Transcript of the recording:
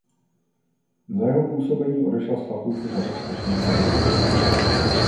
Za jeho působení odešla z fakulty řada schopných pedagogů.